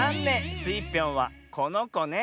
スイぴょんはこのこね。